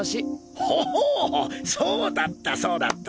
ほっほそうだったそうだった！